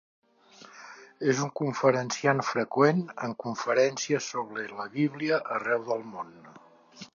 És un conferenciant freqüent en conferències sobre la Bíblia arreu del món.